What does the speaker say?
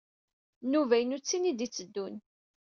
Nnuba-inu d tin ay d-yetteddun.